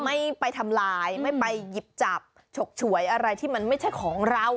ไม่ไปทำลายไม่ไปหยิบจับฉกฉวยอะไรที่มันไม่ใช่ของเรา